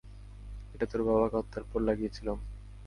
এটা তোর বাবাকে হত্যার পর লাগিয়েছিলাম।